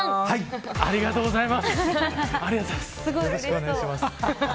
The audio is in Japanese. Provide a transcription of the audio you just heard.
ありがとうございます。